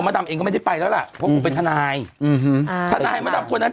ดำเองก็ไม่ได้ไปแล้วล่ะเพราะกูเป็นทนายอืมอ่าทนายมะดำคนนั้น